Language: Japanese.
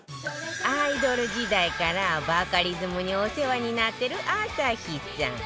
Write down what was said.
アイドル時代からバカリズムにお世話になってる朝日さん